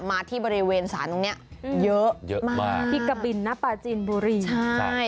มาที่บริเวณสารตรงเนี้ยเยอะเยอะมากที่กะบินนะปาจีนบุรีใช่